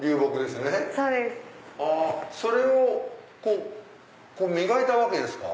それを磨いたわけですか？